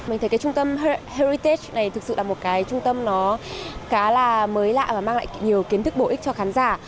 mình thấy cái trung tâm heritage này thực sự là một cái trung tâm nó khá là mới lạ và mang lại nhiều kiến thức bổ ích cho khán giả